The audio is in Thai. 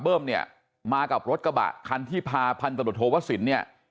เนี่ยมากับรถกระบะคันที่พาพันตรวจโทวสินเนี่ย